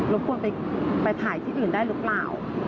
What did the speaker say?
ควรไปถ่ายที่อื่นได้หรือเปล่า